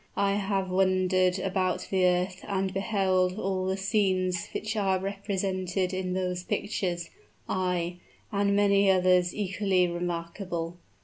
"I have wandered about the earth and beheld all the scenes which are represented in those pictures ay, and many others equally remarkable.